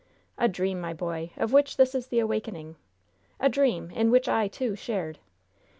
"A dream, my boy, of which this is the awakening. A dream, in which I, too, shared!